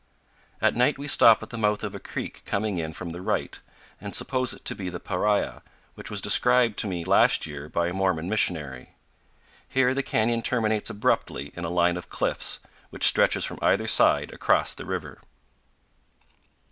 At night we stop at the mouth of 234 CANYONS OF THE COLORADO. a creek coming in from the right, and suppose it to be the Paria, which was described to me last year by a Mormon missionary. Here the canyon terminates abruptly in a line of cliffs, which stretches from either side across the river.